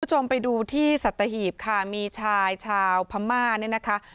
คุณผู้ชมไปดูที่สัตหีบค่ะมีชายชาวพม่าเนี่ยนะคะ